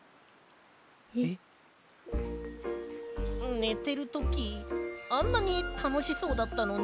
ねてるときあんなにたのしそうだったのに？